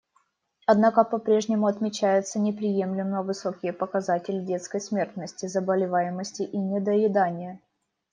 Однако попрежнему отмечаются неприемлемо высокие показатели детской смертности, заболеваемости и недоедания.